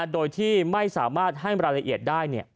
โดยที่ไม่สามารถให้รายละเอียดได้